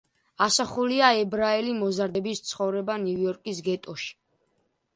ასახულია ებრაელი მოზარდების ცხოვრება ნიუ-იორკის გეტოში.